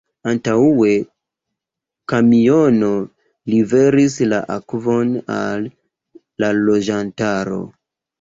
Antaŭe kamiono liveris la akvon al la loĝantaro.